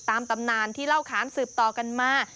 ตำนานที่เล่าค้านสืบต่อกันมา